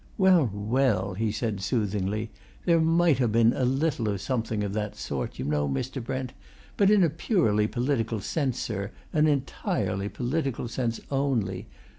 "Well, well!" he said soothingly. "There might ha' been a little of something of that sort, you know, Mr. Brent, but in a purely political sense, sir, an entirely political sense only.